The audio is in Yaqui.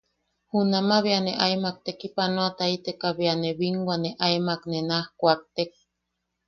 Junama bea ne aemak tekipanoataiteka bea ne binwa ne aemak ne naj kuaktek.